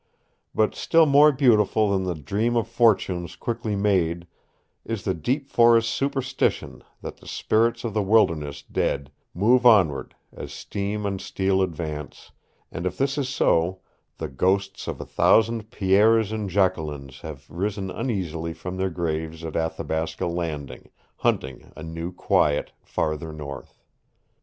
But still more beautiful than the dream of fortunes quickly made is the deep forest superstition that the spirits of the wilderness dead move onward as steam and steel advance, and if this is so, the ghosts of a thousand Pierres and Jacquelines have risen uneasily from their graves at Athabasca Landing, hunting a new quiet farther north.